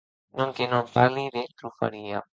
Non, que non parli de trufaria.